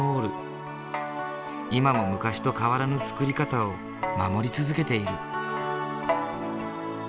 今も昔と変わらぬ作り方を守り続けている。